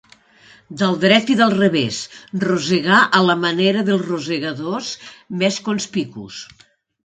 Del dret i del revés, rosegar a la manera dels rosegadors més conspicus.